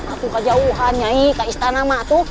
aku ke jauhan nyi ke istana sama atu